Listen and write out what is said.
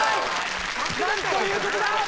何ということだ！